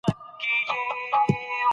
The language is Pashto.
او ځنې هم په بمونو والوزول شول.